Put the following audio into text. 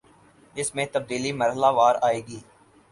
اس میں تبدیلی مرحلہ وار آئے گی